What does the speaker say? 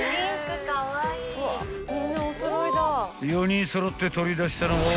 ［４人揃って取り出したのは］